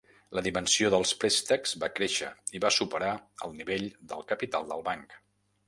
La dimensió dels préstecs va créixer i va superar el nivell del capital del banc.